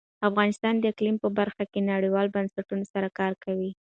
افغانستان د اقلیم په برخه کې نړیوالو بنسټونو سره کار کوي.